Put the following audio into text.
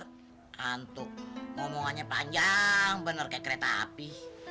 untuk ngomongannya panjang bener kayak kereta api